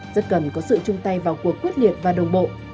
rất cần có sự chung tay vào cuộc quyết liệt và đồng bộ